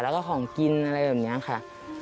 แล้วก็ของกินอะไรแบบนี้ค่ะ